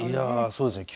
そうですか。